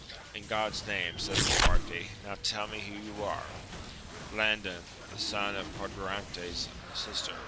In God's name ! said Lisuarte, now tell me who you are 'i .Landing the son of Quadragante^s sister.